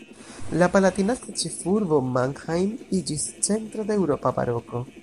La palatinata ĉefurbo Mannheim iĝis centro de eŭropa baroko.